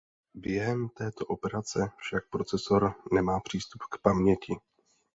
Během této operace však procesor nemá přístup k paměti.